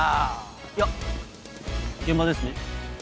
いや現場ですね。